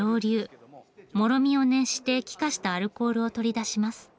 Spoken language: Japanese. もろみを熱して気化したアルコールを取り出します。